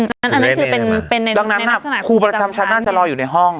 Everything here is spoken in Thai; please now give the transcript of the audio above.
อันนั้นคือเป็นครูประจำชั้นน่าจะรออยู่ในห้อง